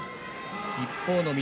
一方の翠